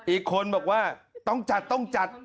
อีกคนบอกว่าต้องจัดต้องจัด